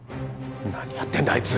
何やってんだあいつ！